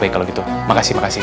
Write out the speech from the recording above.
makasih makasih dokter